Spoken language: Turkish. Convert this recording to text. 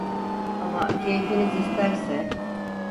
Ama keyfiniz isterse…